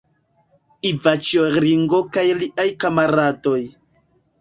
Ivaĉjo Ringo kaj liaj kamaradoj.